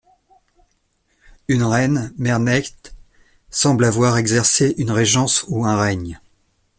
Une reine, Merneith, semble avoir exercé une régence ou un règne.